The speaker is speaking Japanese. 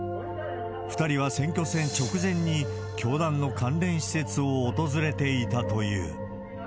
２人は選挙戦直前に、教団の関連施設を訪れていたという。